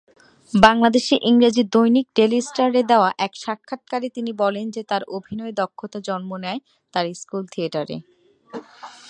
বাংলাদেশী ইংরেজি দৈনিক ডেইলি স্টার-এ দেয়া এক সাক্ষাৎকারে তিনি বলেন যে তার অভিনয়ে দক্ষতা জন্ম নেয় তার স্কুল থিয়েটারে।